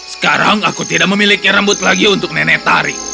sekarang aku tidak memiliki rambut lagi untuk nenek tari